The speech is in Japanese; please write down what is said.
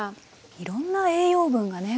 いろんな栄養分がね